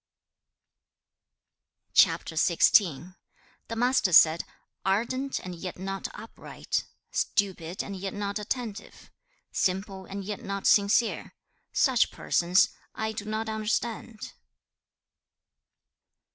CHAP. XVI. The Master said, 'Ardent and yet not upright; stupid and yet not attentive; simple and yet not sincere: such persons I do not understand.'